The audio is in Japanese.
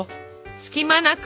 隙間なく。